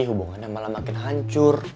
hubungannya malah makin hancur